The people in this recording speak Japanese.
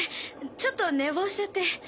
ちょっと寝坊しちゃって。